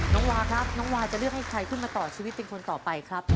น้องวาครับน้องวาจะเลือกให้ใครขึ้นมาต่อชีวิตเป็นคนต่อไปครับ